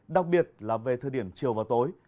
đặc biệt là về thời điểm chiều và tối